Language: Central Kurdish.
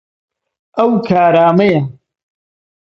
ئەو کارامەیە.